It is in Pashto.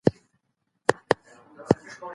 که ته درناوی وکړې، درناوی به درکړل سي.